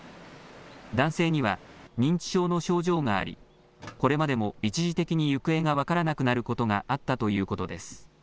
男性には認知症の症状があり、これまでも一時的に行方が分からなくなることがあったということです。